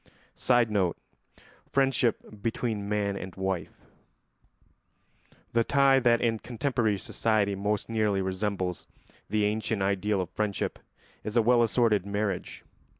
[Sidenote: Friendship between man and wife.] The tie that in contemporary society most nearly resembles the ancient ideal of friendship is a well assorted marriage.